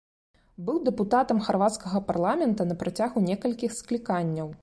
Быў дэпутатам харвацкага парламента на працягу некалькіх скліканняў.